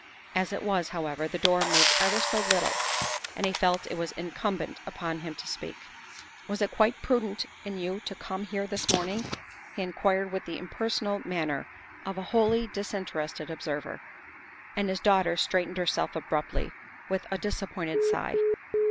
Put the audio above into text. As it was, however, the door moved ever so little and he felt it was incumbent upon him to speak. " Was it quite prudent in you to come here this THE SECRETARY OF STATE 163 morning?" he inquired with the impersonal manner of a wholly disinterested observer. And his daughter straightened herself abruptly with a disappointed sigh.